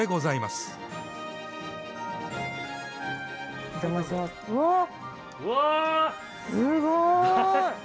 すごーい！